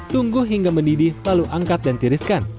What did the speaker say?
tunggu hingga mendidih lalu angkat dan tiriskan